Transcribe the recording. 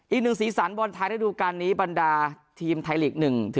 อีกหนึ่งสีสันบอลไทยได้ดูกันนี้บรรดาทีมไทยหลีก๑๓